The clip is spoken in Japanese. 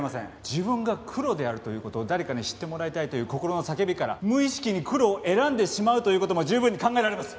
自分がクロであるという事を誰かに知ってもらいたいという心の叫びから無意識に黒を選んでしまうという事も十分に考えられます。